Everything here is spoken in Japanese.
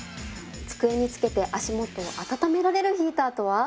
机につけて足元を温められるヒーターとは？